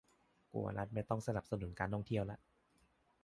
กูว่ารัฐไม่ต้องสนับสนุนการท่องเที่ยวละ